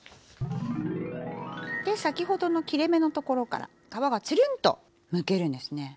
で先ほどの切れ目のところから皮がつるんとむけるんですね。